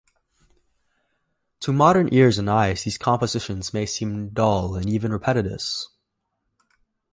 To modern ears and eyes these compositions may seem dull and even repetitious.